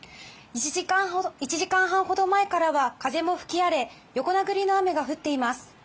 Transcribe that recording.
１時間半ほど前からは風も吹き荒れ横殴りの雨が降っています。